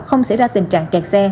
không xảy ra tình trạng chạy xe